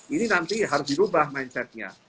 ini nanti harus dirubah mindsetnya